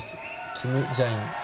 キム・ジャイン。